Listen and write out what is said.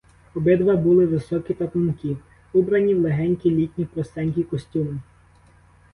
Обидва були високі та тонкі, убрані в легенькі літні простенькі костюми.